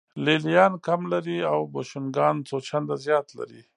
لې لیان کم لري او بوشونګان څو چنده زیات لري